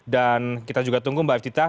dan kita juga tunggu mbak iftita